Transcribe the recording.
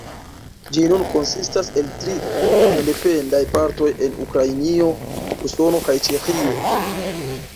Ĝi nun konsistas el tri sendependaj partoj en Ukrainio, Usono kaj Ĉeĥio.